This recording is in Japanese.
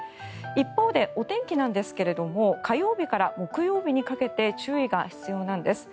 一方でお天気なんですが火曜日から木曜日にかけて注意が必要なんです。